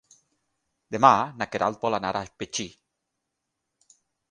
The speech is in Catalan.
Demà na Queralt vol anar a Betxí.